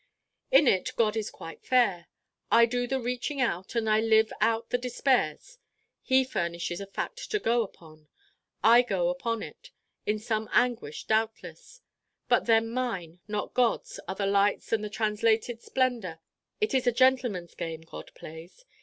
In it God is quite fair. I do the reaching out and I live out the despairs: he furnishes a fact to go upon: I go upon it, in some anguish doubtless: but then mine, not God's, are the lights and the translated splendor. It is a 'gentleman's game' God plays.